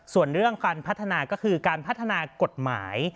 ส่วนเรื่องการพัฒนาก็คือการพัฒนากฎหมาย